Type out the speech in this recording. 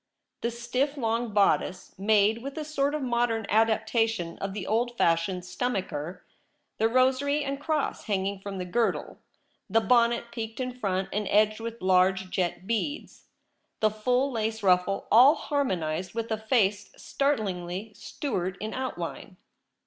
The stiff long bodice, made with a sort of modern adaptation of the old fashioned stomacher ; the rosary and cross hanging from the girdle ; the bonnet peaked in front and edged with large jet beads ; the full lace ruffle — all harmonized with a face startlingly Stuart in outline.